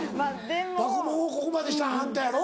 バクモンをここまでにしたんあんたやろ？